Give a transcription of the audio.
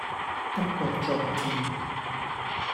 得個做字